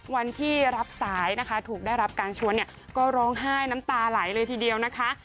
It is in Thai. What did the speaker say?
วันที่รับสายนะคะถูกได้รับการชวนเนี่ยก็ร้องไห้น้ำตาไหลเลยทีเดียวนะคะ